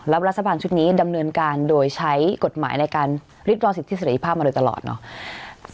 รัฐบาลชุดนี้ดำเนินการโดยใช้กฎหมายในการริดรองสิทธิเสร็จภาพมาโดยตลอดเนาะ